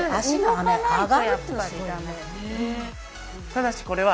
ただしこれは